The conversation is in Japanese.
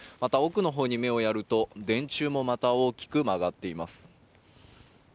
奥の方に目をやると、電柱もまた大きく曲がっています。